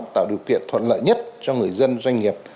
tạo điều kiện thuận lợi nhất cho người dân doanh nghiệp